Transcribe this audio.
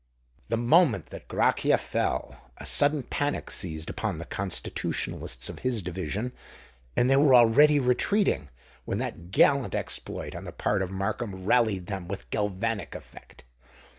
The moment that Grachia fell, a sudden panic seized upon the Constitutionalists of his division; and they were already retreating, when that gallant exploit on the part of Markham rallied them with galvanic effect.